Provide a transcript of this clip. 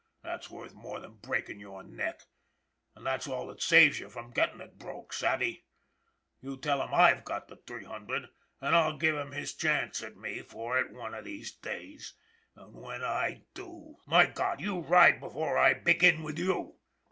That's worth more than breakin' your neck and that's all that saves you from gettin' it broke, savvy? You tell him I've got the three hundred, and I'll give him his chance at me for it one of these days. And when I do My God, you ride before I begin with you!"